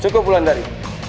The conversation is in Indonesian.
cukup wulan dari